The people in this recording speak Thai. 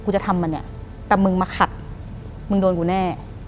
จะทำมันเนี่ยแต่มึงมาขัดมึงโดนกูแน่